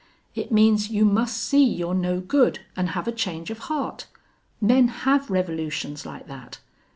It means you must see you're no good an' have a change of heart. Men have revolutions like that.